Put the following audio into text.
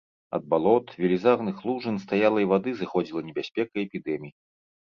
Ад балот, велізарных лужын стаялай вады зыходзіла небяспека эпідэмій.